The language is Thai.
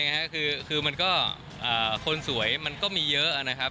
ใช่ค่ะคือมันก็คนสวยมันก็มีเยอะนะครับ